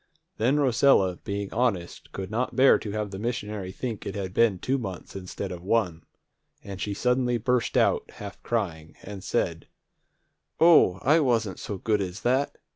Then Rosella, being honest, could not bear to have the missionary think it had been two months instead of one, and she suddenly burst out, half crying, and said, "O, I wasn't so good as that!